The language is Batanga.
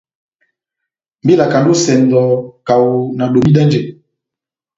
Mba ikalandi ó esɛndɔ kaho nadomidɛnjɛ.